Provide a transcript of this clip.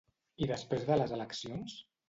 I després de les eleccions?